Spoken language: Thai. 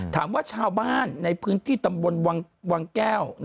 ถามว่าชาวบ้านในพื้นที่ตำบลวังแก้ว